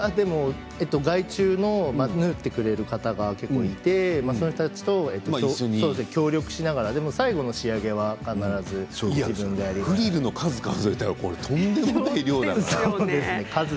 外注の縫ってくれる方が結構いてその人たちと協力をしながらでも最後の仕上げは必ずフリルの数を数えたらとんでもない量ですよね。